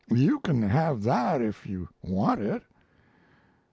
You can have that if you want it.'